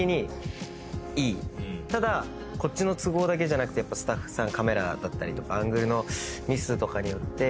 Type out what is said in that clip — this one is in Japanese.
ただこっちの都合だけじゃなくてスタッフさんカメラだったりアングルのミスとかによって。